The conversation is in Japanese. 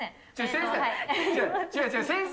先生。